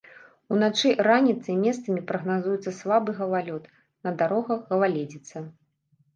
Уначы і раніцай месцамі прагназуецца слабы галалёд, на дарогах галалёдзіца.